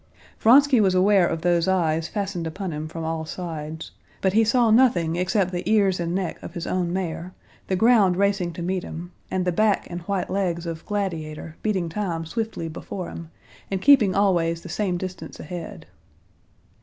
Vronsky was aware of those eyes fastened upon him from all sides, but he saw nothing except the ears and neck of his own mare, the ground racing to meet him, and the back and white legs of Gladiator beating time swiftly before him, and keeping always the same distance ahead.